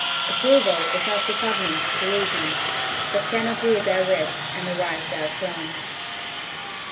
LI. Approval is not repugnant to reason, but can agree therewith and arise therefrom.